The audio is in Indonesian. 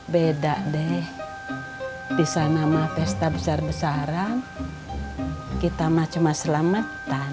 beda deh di sana mah pesta besar besaran kita mah cuma selamatan